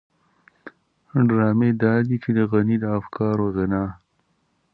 ډرامې دادي چې د غني د افکارو غنا.